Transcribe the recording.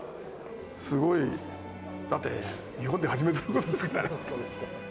すごい、だって、日本で初めてのことですからね。